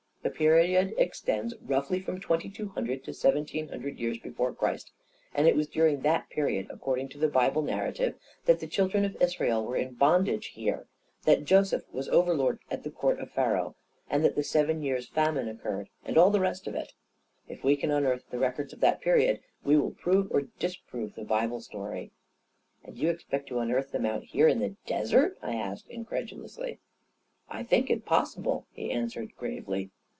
The period extends roughly from twenty two hundred to seventeen hundred years be* fore Christ. And it was during that period, accord ing to the Bible narrative, that the Children of 128 A KING IN BABYLON Israel were in bondage here ; that Joseph was over lord at the court of Pharaoh; that the seven years' famine occurred — and all the rest of it. If we can unearth the records of that period, we will prove or disprove the Bible story." 1 " And you expect to unearth them out here in the desert? " I asked incredulously. " I think it possible/ 9 he answered gravely.